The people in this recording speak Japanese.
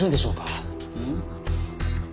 うん？